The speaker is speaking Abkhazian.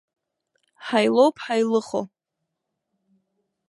Ҳаилоуп ҳаилыхо.